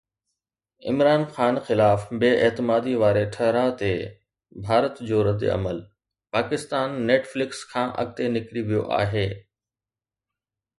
عمران خان خلاف بي اعتمادي واري ٺهراءُ تي ڀارت جو رد عمل: ’پاڪستان نيٽ فلڪس کان اڳتي نڪري ويو آهي‘